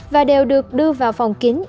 và đều được đưa vào phòng kính